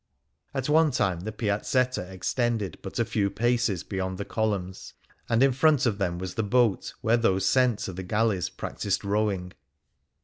At one time the Piazzetta extended but a few paces beyond the columns, and in front of them was the boat where those sent to the galleys practised rowing.